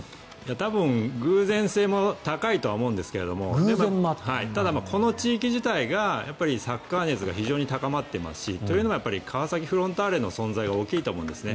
多分、偶然性も高いと思いますがただ、この地域自体がサッカー熱が非常に高まっていますしというのは川崎フロンターレの存在が大きいと思うんですね。